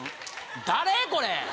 誰⁉これ。